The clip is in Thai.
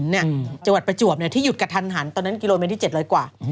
จังหวัดประจวบที่หยุดกระทันหันตอนนั้นกิโลเมตรที่๗๐๐กว่า